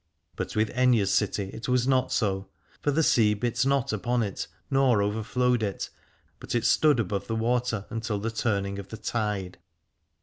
But with Aithne's city it was not so, for the sea bit not upon it nor overflowed it, but it stood above the water until the turning of the tide.